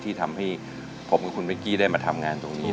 ที่ทำให้ผมกับคุณวิกกี้ได้มาทำงานตรงนี้